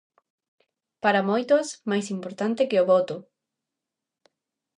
Para moitos, máis importante que o voto.